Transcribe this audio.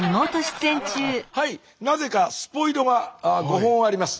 はいなぜかスポイトが５本あります。